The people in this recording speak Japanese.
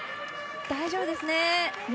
大丈夫ですね。